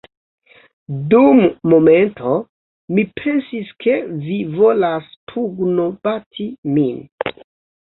Dum momento, mi pensis, ke vi volas pugnobati min